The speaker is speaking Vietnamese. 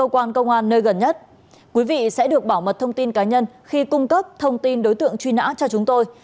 quý vị sẽ được bảo mật thông tin cá nhân khi cung cấp thông tin đối tượng truy nã cho chúng tôi